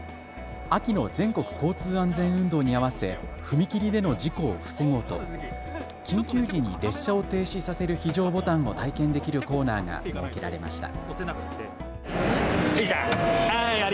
秋の全国交通安全運動に合わせ踏切での事故を防ごうと緊急時に列車を停止させる非常ボタンを体験できるコーナーが設けられました。